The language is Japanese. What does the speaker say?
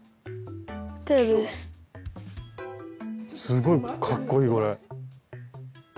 すごいかっこいいこれ！